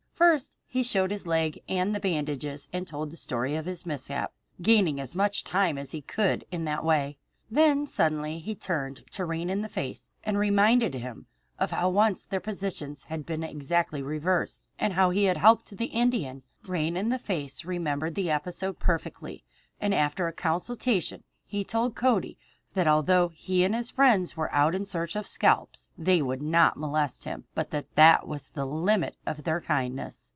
First he showed his leg and the bandages and told the story of his mishap, gaining as much time as he could in that way. Then suddenly he turned to Rain in the Face and reminded him of how once their positions had been exactly reversed and how he had helped the Indian to get what he most needed. Rain in the Face remembered the episode perfectly, and after a consultation he told Cody that although he and his friends were out in search of scalps, they would not molest him, but that that was the limit of their kindness.